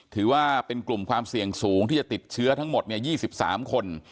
ถือว่าเป็นกลุ่มความเสี่ยงสูงที่จะติดเชื้อทั้งหมด๒๓คน